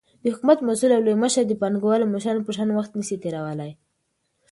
دحكومت مسؤل او لوى مشر دپانگوالو مشرانو په شان وخت نسي تيرولاى،